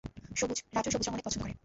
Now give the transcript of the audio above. সবুজ, রাজও সবুজ রঙ অনেক পছন্দ করে।